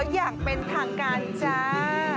อย่างเป็นทางการจ้า